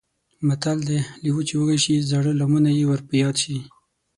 متل دی: لېوه چې وږی شي زاړه لمونه یې ور په یاد شي.